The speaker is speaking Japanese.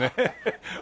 ハハハハ。